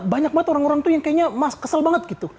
banyak banget orang orang tuh yang kayaknya mas kesel banget gitu